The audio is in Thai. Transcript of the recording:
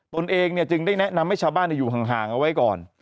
ตนเองจึงได้แนะนำให้ชาวบ้านอยู่ห่างเอาไว้ก่อน